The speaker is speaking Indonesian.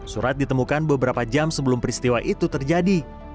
surat ditemukan beberapa jam sebelum peristiwa itu terjadi